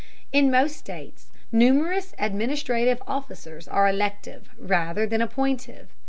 In most states numerous administrative officers are elective, rather than appointive.